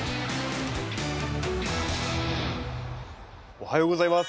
おはようございます。